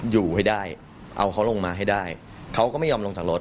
อยู่ให้ได้เอาเขาลงมาให้ได้เขาก็ไม่ยอมลงจากรถ